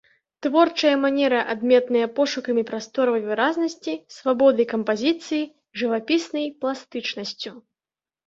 Творчая манера адметная пошукамі прасторавай выразнасці, свабодай кампазіцый, жывапіснай пластычнасцю.